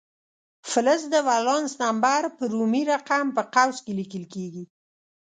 فلز د ولانس نمبر په رومي رقم په قوس کې لیکل کیږي.